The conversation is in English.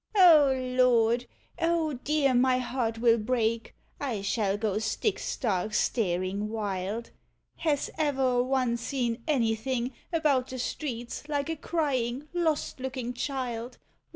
*' "O Lord! O dear, my heart will break, I shall go stick stark staring wild ! Has ever a one seen anything about the streets like a crying lost looking child?